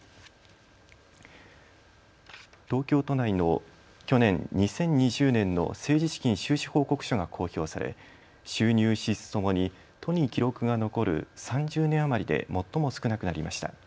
東京都内の去年２０２０年の政治資金収支報告書が公表され収入・支出ともに都に記録が残る３０年余りで最も少なくなりました。